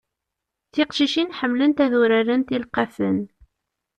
Tiqcicin ḥemmlent ad urarent ilqafen.